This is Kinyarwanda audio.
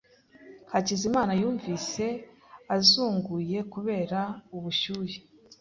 Hakizimana yumvise azunguye kubera ubushyuhe.